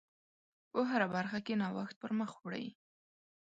په هره برخه کې نوښت پر مخ وړئ.